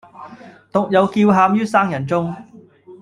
獨有叫喊于生人中，